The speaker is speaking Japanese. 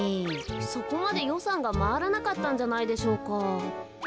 そこまでよさんがまわらなかったんじゃないでしょうか。